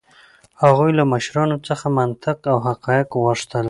هغوی له مشرانو څخه منطق او حقایق غوښتل.